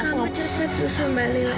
kamu cepet susu mba lila